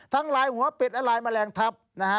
ทั้งรายหัวแปดและรายแมลงทับ